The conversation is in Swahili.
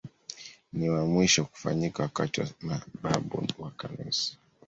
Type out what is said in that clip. Ni wa mwisho kufanyika wakati wa mababu wa Kanisa.